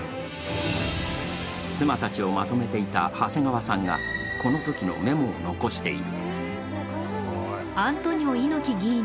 妻たちをまとめていた長谷川さんがこのときのメモを残している。